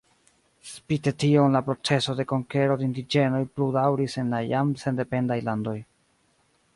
Spite tion la proceso de konkero de indiĝenoj pludaŭris en la jam sendependaj landoj.